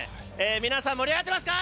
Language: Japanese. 皆さん、盛り上がってますか。